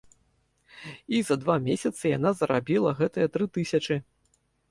І за два месяцы яна зарабіла гэтыя тры тысячы!